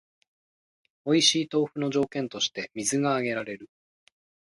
おいしい豆腐の条件として水が挙げられる